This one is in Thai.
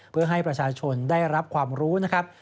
เพื่อให้ประชาชนได้รับความรู้นะครับ